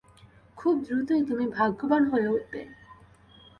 খুব দ্রুতই তুমি ভাগ্যবান হয়ে উঠবে।